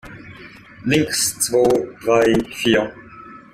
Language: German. Links, zwo, drei, vier!